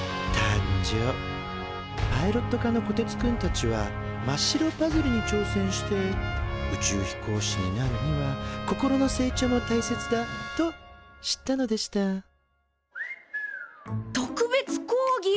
パイロット科のこてつくんたちは真っ白パズルに挑戦して宇宙飛行士になるには心の成長も大切だと知ったのでした「特別講義！！」。